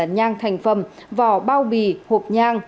nhang thành phẩm vỏ bao bì hộp nhang